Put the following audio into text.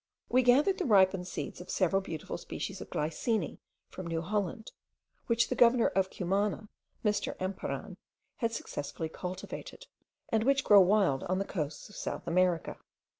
We gathered the ripened seeds of several beautiful species of glycine from New Holland, which the governor of Cumana, Mr. Emparan, had successfully cultivated, and which grow wild on the coasts of South America.